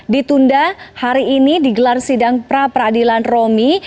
ditunda hari ini digelar sidang pra peradilan romi